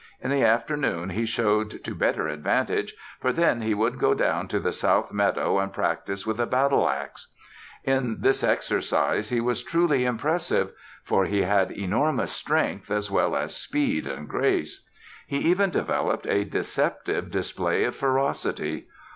In the afternoon he showed to better advantage, for then he would go down to the South Meadow and practise with a battle ax. In this exercise he was truly impressive, for he had enormous strength as well as speed and grace. He even developed a deceptive display of ferocity.